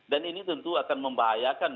dan ini tentu akan membahayakan